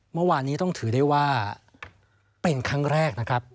เมื่อวานนี้ต้องถือได้ว่าเป็นครั้งแรกนะครับ